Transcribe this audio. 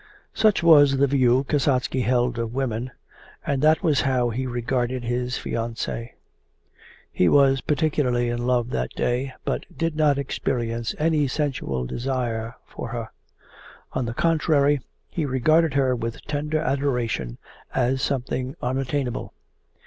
Such was the view Kasatsky held of women, and that was how he regarded his fiancee. He was particularly in love that day, but did not experience any sensual desire for her. On the contrary he regarded her with tender adoration as something unattainable.